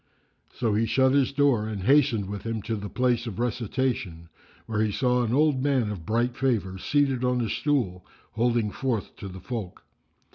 So he shut his door and hastened with him to the place of recitation, where he saw an old man of bright favour seated on a stool holding forth to the folk.